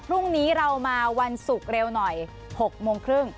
พรุ่งนี้เรามาวันศุกร์เร็วหน่อย๖โมงครึ่ง